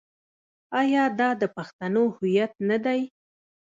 آیا دا د پښتنو هویت نه دی؟